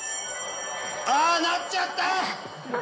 あなっちゃった！